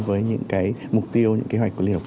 với những cái mục tiêu những kế hoạch của liên hợp quốc